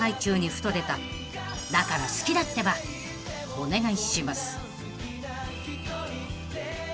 ［お願いします］